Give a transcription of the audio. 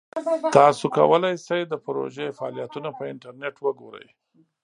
تاسو کولی شئ د پروژې فعالیتونه په انټرنیټ وګورئ.